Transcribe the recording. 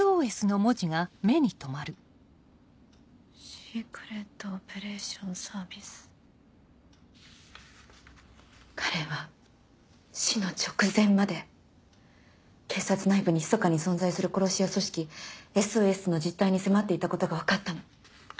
「ＳｅｃｒｅｔＯｐｅｒａｔｉｏｎＳ彼は死の直前まで警察内部にひそかに存在する殺し屋組織「ＳＯＳ」の実態に迫っていたことが分かったの。